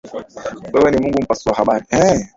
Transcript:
Wewe ni Mungu mpasua bahari